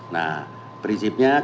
nah prinsipnya kita